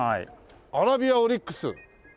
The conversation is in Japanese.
アラビアオリックス。